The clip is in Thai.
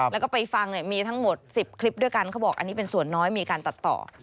แล้วก็ไปฟังมีทั้งหมด๑๐คลิปด้วยกันเขาบอกอันนี้เป็นส่วนน้อยมีการตัดต่อ